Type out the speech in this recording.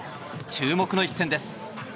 注目の一戦です。